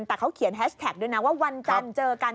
แต่เขาเขียนแฮชแท็กด้วยนะว่าวันจันทร์เจอกัน